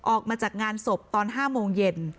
ออกมาจากงานศพตอน๕โมงเย็น